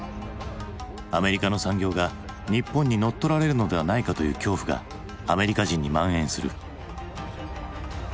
アメリカの産業が日本に乗っ取られるのではないかという恐怖がアメリカ人にまん延する。